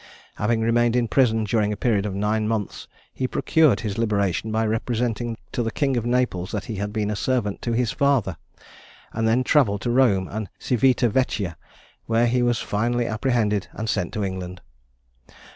Having remained in prison during a period of nine months, he procured his liberation by representing to the king of Naples that he had been a servant to his father; and he then travelled to Rome and Civita Vecchia, where he was finally apprehended and sent to England.